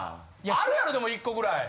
あるやろでも１個ぐらい。